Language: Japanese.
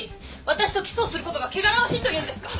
私とキスをすることが汚らわしいと言うんですか！